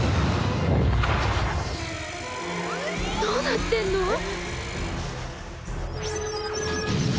どうなってるの？